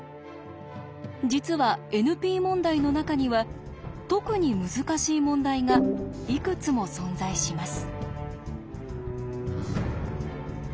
実はＮＰ問題の中には特に難しい問題がいくつも存在します。